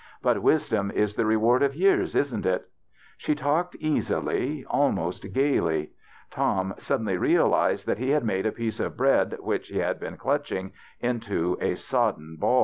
But wis THE BACHELOR'S CHRISTMAS 49 dom is the reward of years, isn't it ?" Slie tallved easily, almost gayly. Tom suddenly realized that lie had made a piece of bread which he had been clutching into a sodden baU.